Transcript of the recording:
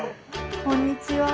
こんにちは。